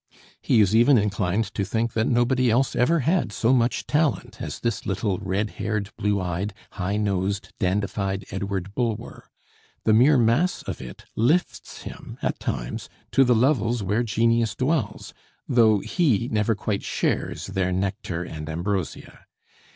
He is even inclined to think that nobody else ever had so much talent as this little red haired, blue eyed, high nosed, dandified Edward Bulwer; the mere mass of it lifts him at times to the levels where genius dwells, though he never quite shares their nectar and ambrosia.